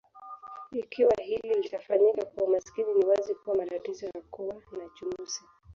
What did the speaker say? Ikiwa hili litafanyika kwa umakini ni wazi kuwa matatizo ya kuwa na chunusi